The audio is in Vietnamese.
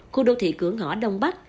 khu đô thị cửa ngõ đông bắc